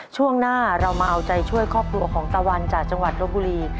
ช่วงหน้าเรามาเอาใจช่วยครอบครัวของตะวันจากจังหวัดรบบุรี